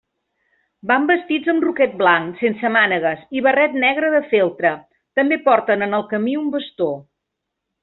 Van vestits amb roquet blanc sense mànegues i barret negre de feltre, també porten en el camí un bastó.